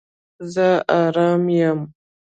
زه آرام یم